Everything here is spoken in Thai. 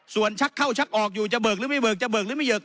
ส่วนชักเข้าชักออกอยู่จะเบิกหรือไม่เบิกจะเบิกหรือไม่เบิก